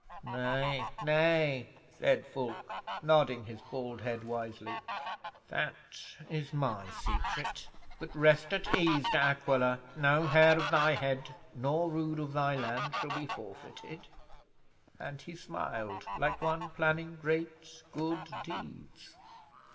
'"Nay, nay," said Fulke, nodding his bald head wisely. "That is my secret. But rest at ease, De Aquila, no hair of thy head nor rood of thy land shall be forfeited," and he smiled like one planning great good deeds.